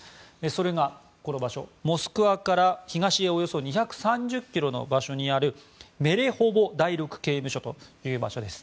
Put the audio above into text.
それが、モスクワから東へおよそ２３０ｋｍの場所にあるメレホボ第６刑務所という場所です。